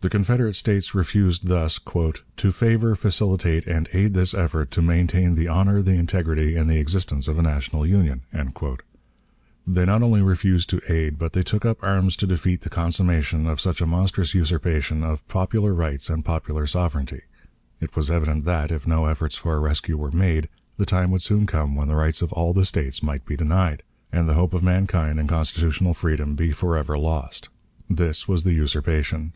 The Confederate States refused thus "to favor, facilitate, and aid this effort to maintain the honor, the integrity, and the existence of a national Union." They not only refused to aid, but they took up arms to defeat the consummation of such a monstrous usurpation of popular rights and popular sovereignty. It was evident that, if no efforts for a rescue were made, the time would soon come when the rights of all the States might be denied, and the hope of mankind in constitutional freedom be for ever lost. This was the usurpation.